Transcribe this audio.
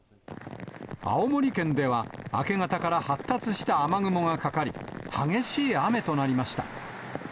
青森県では、明け方から発達した雨雲がかかり、激しい雨となりました。